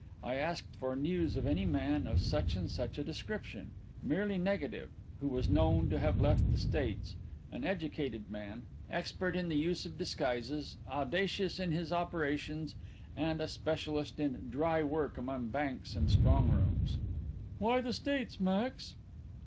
I asked for news of any man of such and such a description merely negative who was known to have left the States; an educated man, expert in the use of disguises, audacious in his operations, and a specialist in 'dry' work among banks and strong rooms." "Why the States, Max?"